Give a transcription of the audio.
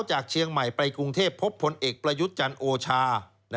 จากเชียงใหม่ไปกรุงเทพพบพลเอกประยุทธ์จันทร์โอชา